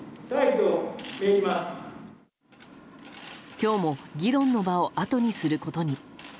今日も議論の場をあとにすることに。